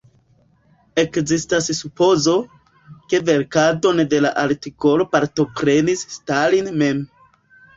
Ekzistas supozo, ke verkadon de la artikolo partoprenis Stalin mem.